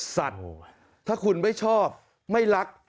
สั่นถ้าคุณไม่ชอบไม่รัก